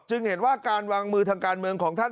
เห็นว่าการวางมือทางการเมืองของท่าน